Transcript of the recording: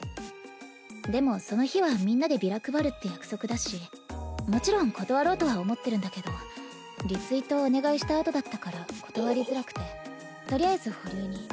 でもその日はみんなでビラ配るって約束だしもちろん断ろうとは思ってるんだけどリツイートお願いしたあとだったから断りづらくてとりあえず保留に。